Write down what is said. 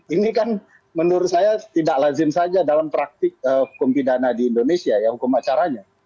ini kan menurut saya tidak lazim saja dalam praktik hukum pidana di indonesia ya hukum acaranya